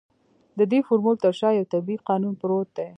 د دې فورمول تر شا يو طبيعي قانون پروت دی.